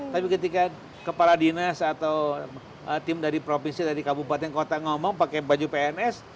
tapi ketika kepala dinas atau tim dari provinsi dari kabupaten kota ngomong pakai baju pns